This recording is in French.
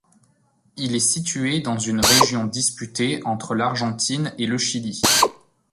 Il est situé dans une région disputée entre l'Argentine et le Chili.